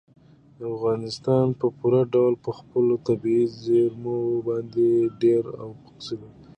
افغانستان په پوره ډول په خپلو طبیعي زیرمو باندې ډېره او مستقیمه تکیه لري.